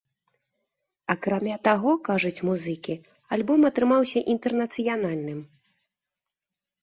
Акрамя таго, кажуць музыкі, альбом атрымаўся інтэрнацыянальным.